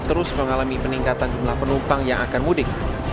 terus mengalami peningkatan jumlah penumpang yang akan mudik